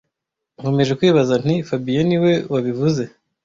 Nkomeje kwibaza nti fabien niwe wabivuze